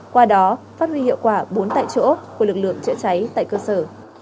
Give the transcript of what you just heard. qua đó phát huy hiệu quả bốn tại chỗ của lực lượng chữa cháy tại cơ sở